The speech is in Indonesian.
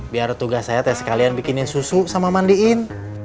biar tugas saya teh sekalian bikinin susu sama mandiin